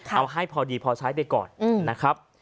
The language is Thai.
เอาให้พอดีพอใช้ไปก่อนนะครับ